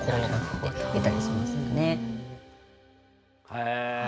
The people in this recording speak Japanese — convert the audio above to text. へえ。